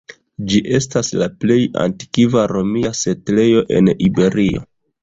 Ĝi estas la plej antikva romia setlejo en Iberio.